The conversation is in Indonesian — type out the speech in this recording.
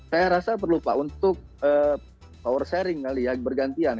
saya rasa perlu pak untuk power sharing kali ya bergantian